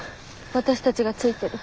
私たちがついてる。